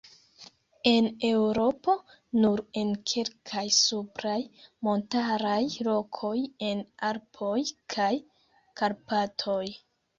En Eŭropo nur en kalkaj supraj montaraj lokoj en Alpoj kaj Karpatoj.